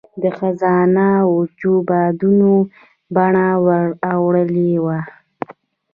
د خزان وچو بادونو بڼه ور اړولې وه.